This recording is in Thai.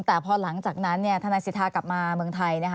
แต่พอหลังจากนั้นทนายสิทธากลับมาเมืองไทยนะคะ